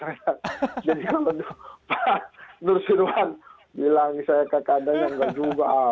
jadi kalau pak nusirwan bilang saya kekandanya nggak juga